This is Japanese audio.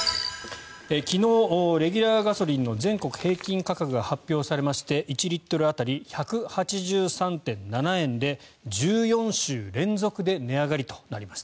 昨日、レギュラーガソリンの全国平均価格が発表されまして１リットル当たり１８３．７円で１４週連続で値上がりとなりました。